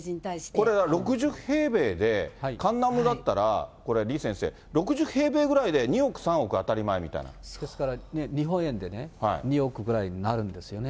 これ、６０平米でカンナムだったら、これ、李先生、６０平米ぐらいで２億、ですから、日本円でね、２億ぐらいになるんですよね。